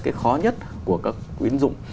cái khó nhất của các quỹ tiến dụng